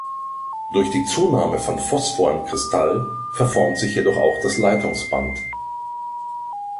Durch die Zunahme von Phosphor im Kristall verformt sich jedoch auch das Leitungsband.